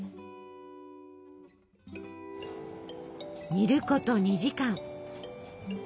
煮ること２時間。